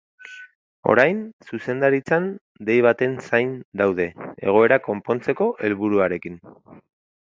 Orain, zuzendaritzan dei baten zain daude, egoera konpontzeko helburuarekin.